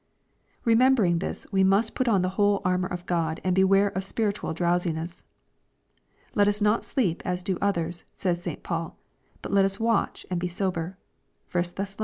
Remembering this, we must put on the whole armor of God, and beware ol spiritual drowsiness. "Let us not sleep as do others," says St. Paul, " but let us watch and be sober." (1 Thess.